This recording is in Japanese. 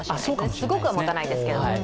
すごくはもたないですけど。